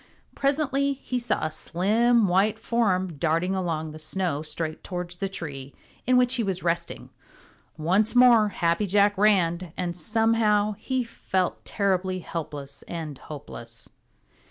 Presently he saw a slim white form darting along the snow straight towards the tree in which he was resting. Once more Happy Jack ran, and somehow he felt terribly helpless and hopeless.